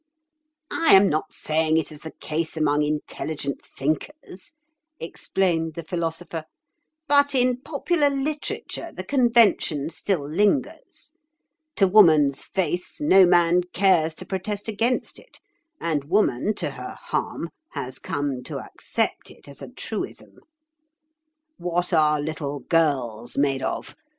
"I am not saying it is the case among intelligent thinkers," explained the Philosopher, "but in popular literature the convention still lingers. To woman's face no man cares to protest against it; and woman, to her harm, has come to accept it as a truism. 'What are little girls made of?